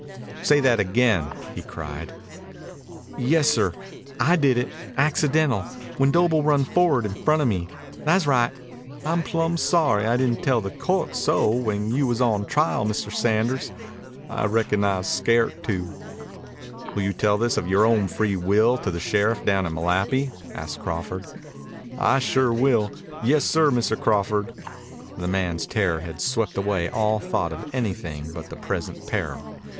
Say that again!" he cried. "Yessir. I did it accidental when Doble run forward in front of me. Tha's right. I'm plumb sorry I didn't tell the cou't so when you was on trial, Mr. Sanders. I reckon I was scairt to." "Will you tell this of yore own free will to the sheriff down at Malapi?" asked Crawford. "I sure will. Yessir, Mr. Crawford." The man's terror had swept away all thought of anything but the present peril.